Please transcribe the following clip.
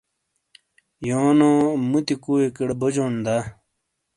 یونو مُتی کُویئکیڑے بوجون دا؟